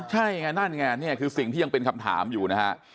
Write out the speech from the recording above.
ใช่ไงนั่นไงนี่คือสิ่งที่ยังเป็นคำถามอยู่นะฮะ